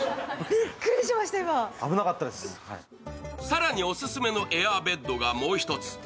更にオススメのエアーベッドがもう一つ。